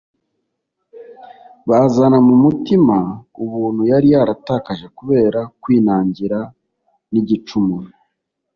bazana mu mutima ubuntu yari yaratakaje kubera kwinangira n'igicumuro.